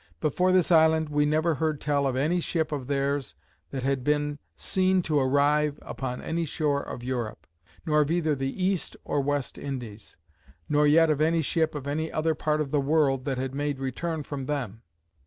But for this island, we never heard tell of any ship of theirs that had been seen to arrive upon any shore of Europe; nor of either the East or West Indies; nor yet of any ship of any other part of the world, that had made return from them.